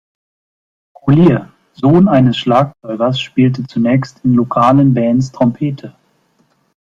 Collier, Sohn eines Schlagzeugers, spielte zunächst in lokalen Bands Trompete.